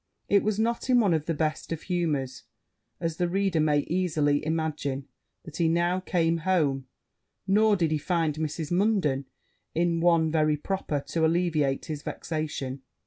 It was not in one of the best of humours, as the reader may easily imagine, that he now came home; nor did he find Mrs. Munden in one very proper to alleviate his vexation.